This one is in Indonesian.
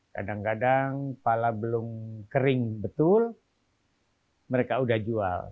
kadang kadang pala belum kering betul mereka sudah jual